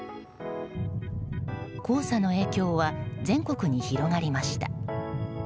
黄砂の影響は全国に広がりました。